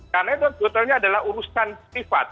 karena itu betulnya adalah urusan sifat